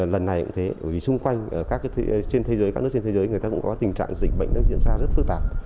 lần này cũng thế vì xung quanh các nước trên thế giới người ta cũng có tình trạng dịch bệnh diễn ra rất phức tạp